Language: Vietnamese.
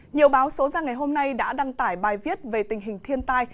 nhiều báo số ra ngày hôm nay đã đăng tải bài viết về tình hình thiên tai